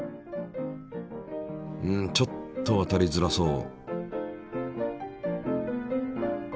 うんちょっとわたりづらそう。